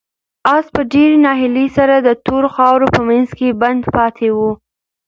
آس په ډېرې ناهیلۍ سره د تورو خاورو په منځ کې بند پاتې و.